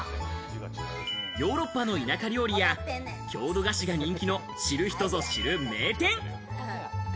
ヨーロッパの田舎料理や郷土菓子が人気の知る人ぞ知る名店。